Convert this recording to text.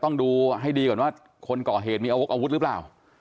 ต้องดูให้ดีก่อนว่าคนก่อเหตุมีอาวกอาวุธหรือเปล่า